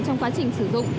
trong quá trình sử dụng